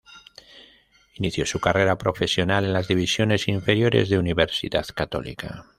Inició su carrera profesional en las divisiones inferiores de Universidad Católica.